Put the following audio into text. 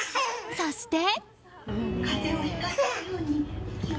そして。